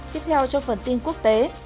tiếp theo trong phần tin quốc tế